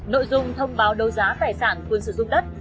nội dung thông báo đấu giá tài sản quyền sử dụng đất